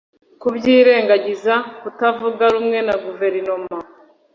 kubyirengagiza, kutavuga rumwe na guverinoma.